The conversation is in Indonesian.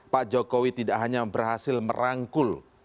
pak jokowi tidak hanya berhasil merangkul